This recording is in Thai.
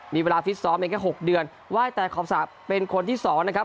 มีเวลาฟิตซ้อมในแค่๖เดือนไหว้แต่ขอบสระเป็นคนที่๒นะครับ